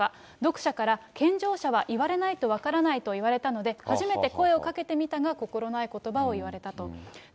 読者から、健常者は言われないと分からないと言われたので、初めて声をかけてみたが心ないことばを言われたと。